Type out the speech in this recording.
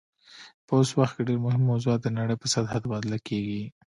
په اوس وخت کې ډیر مهم موضوعات د نړۍ په سطحه تبادله کیږي